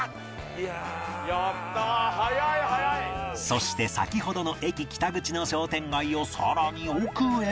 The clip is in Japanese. そして先ほどの駅北口の商店街をさらに奥へ